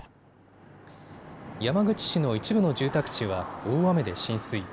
山口市の一部の住宅地は大雨で浸水。